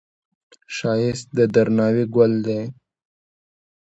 ښایست د درناوي ګل دی